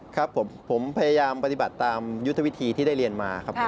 ครับผมผมพยายามปฏิบัติตามยุทธวิธีที่ได้เรียนมาครับผม